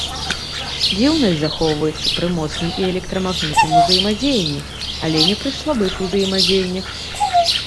Дзіўнасць захоўваецца пры моцным і электрамагнітным узаемадзеянні, але не пры слабых узаемадзеяннях.